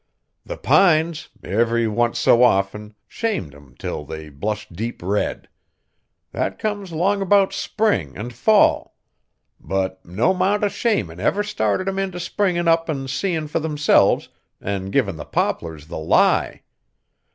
The pines, every onct so often, shamed 'em till they blushed deep red, that comes 'long 'bout spring an' fall, but no 'mount o' shamin' ever started them int' springin' up an' seein' fur themselves an' givin' the poplars the lie!